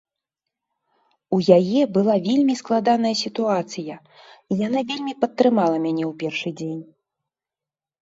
У яе была вельмі складаная сітуацыя, і яна вельмі падтрымала мяне ў першы дзень.